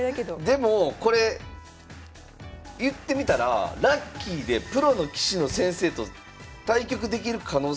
でもこれ言ってみたらラッキーでプロの棋士の先生と対局できる可能性あるってことですよね？